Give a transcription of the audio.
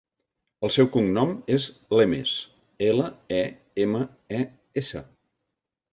El seu cognom és Lemes: ela, e, ema, e, essa.